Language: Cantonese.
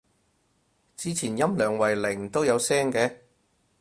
之前音量為零都有聲嘅